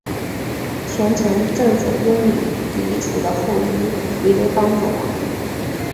权臣郑检拥立黎除的后裔黎维邦做皇帝。